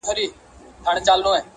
o هر زړه يو درد ساتي تل,